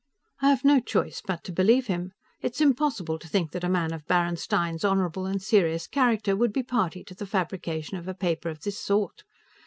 I have no choice but to believe him. It is impossible to think that a man of Baron Stein's honorable and serious character would be party to the fabrication of a paper of this sort.